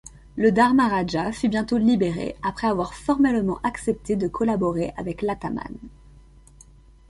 Le Dharmaraja fut bientôt libéré, après avoir formellement accepté de collaborer avec l'ataman.